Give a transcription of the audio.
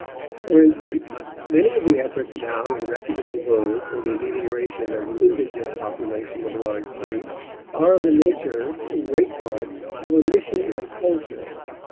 For instance, many of the efforts now in reputable vogue for the amelioration of the indigent population of large cities are of the nature, in great part, of a mission of culture.